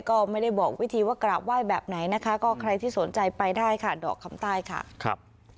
ก็ไม่ได้บอกวิธีว่ากราบไหว้แบบไหนนะคะก็ใครที่สนใจไปได้ค่ะดอกคำใต้ค่ะครับ